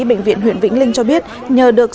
bệnh viện huyện vĩnh linh cho biết nhờ được